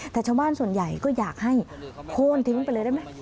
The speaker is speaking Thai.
แต่ชาวบ้านส่วนใหญ่ก็อยากให้โค้นทิ้งไปเลยได้ไหม